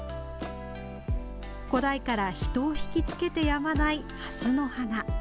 古代から人を引きつけてやまないハスの花。